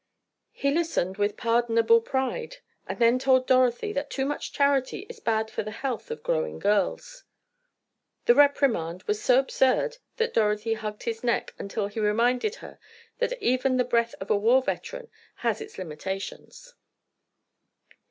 He listened with pardonable pride, and then told Dorothy that too much charity is bad for the health of growing girls. The reprimand was so absurd that Dorothy hugged his neck until he reminded her that even the breath of a war veteran has its limitations.